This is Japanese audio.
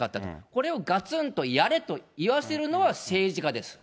これをがつんとやれと言わせるのは政治家です。